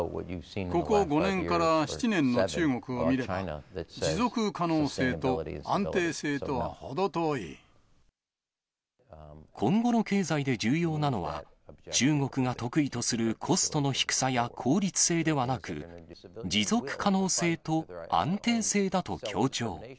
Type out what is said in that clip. ここ５年から７年の中国を見れば、今後の経済で重要なのは、中国が得意とするコストの低さや効率性ではなく、持続可能性と安定性だと強調。